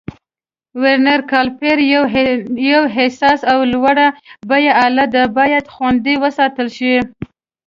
ورنیر کالیپر یو حساس او لوړه بیه آله ده، باید خوندي وساتل شي.